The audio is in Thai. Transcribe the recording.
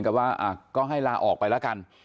ก็ให้ลาออกไปแล้วกัน